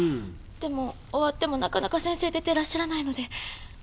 でも終わってもなかなか先生出てらっしゃらないのでお迎えにあがったら。